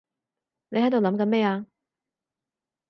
你喺度諗緊咩啊？